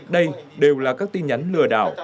đây đều là các tin nhắn lừa đảo